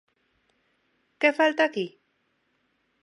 Que falta aquí?